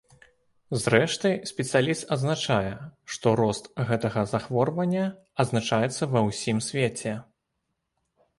Зрэшты, спецыяліст адзначае, што рост гэтага захворвання адзначаецца ва ўсім свеце.